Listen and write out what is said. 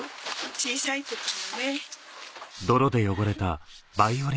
小さい時のね。